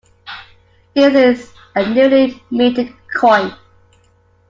This is a newly minted coin.